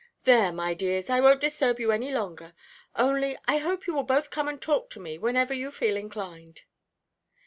"There, my dears, I won't disturb you any longer; only I hope you will both come and talk to me whenever you feel inclined."